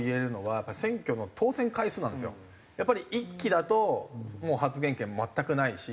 やっぱり１期だともう発言権全くないし。